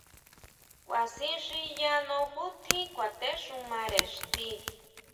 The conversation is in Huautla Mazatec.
Kʼuasin xiyano ju tjín kjuatéxumare ixti.